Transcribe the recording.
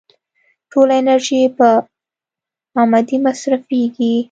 ټوله انرژي يې په امدې مصرفېږي.